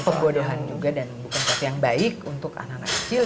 pembodohan juga dan bukan sesuatu yang baik untuk anak anak kecil